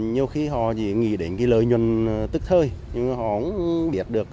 nhiều khi họ nghĩ đến lợi nhuận tức thơi nhưng họ không biết được